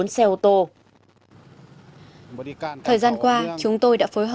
bảy xe ô tô các loại